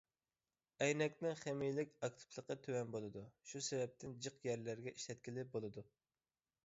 ئەينەكنىڭ خىمىيەلىك ئاكتىپلىقى تۆۋەن بولىدۇ، شۇ سەۋەبتىن جىق يەرلەرگە ئىشلەتكىلى بولىدۇ.